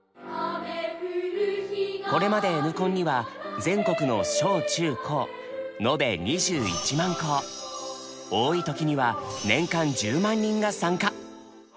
これまでＮコンには全国の小・中・高多い時には年間１０万人が参加。